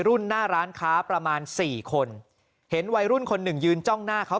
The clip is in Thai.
หน้าร้านค้าประมาณสี่คนเห็นวัยรุ่นคนหนึ่งยืนจ้องหน้าเขา